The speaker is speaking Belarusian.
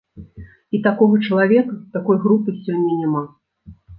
І такога чалавека, такой групы сёння няма.